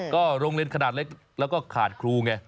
ก็โรงเรียนขนาดเล็กแล้วก็ขาดครูไง